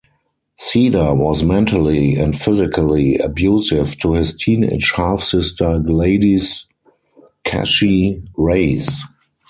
Seda was mentally and physically abusive to his teenage half-sister, Gladys "Chachi" Reyes.